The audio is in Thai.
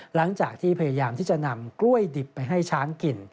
หลังจากที่พยายามที่จะนำกล้วยดิบไปให้ช้างกิน